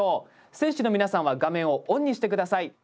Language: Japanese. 選手の皆さんは画面をオンにして下さい。